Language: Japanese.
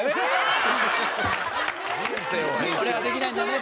それはできないんだね。